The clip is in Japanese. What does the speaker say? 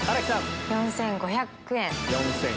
４５００円。